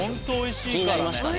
気になりましたね